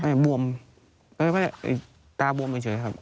บวมตาบวมเฉยครับ